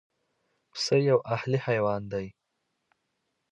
پسه یو اهلي حیوان دی.